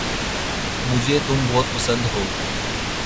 مجھے تم بہت پسند ہو